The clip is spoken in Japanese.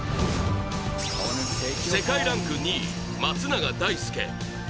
世界ランク２位、松永大介。